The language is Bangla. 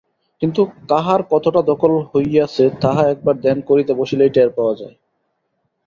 কিন্তু কাহার কতটা দখল হইয়াছে, তাহা একবার ধ্যান করিতে বসিলেই টের পাওয়া যায়।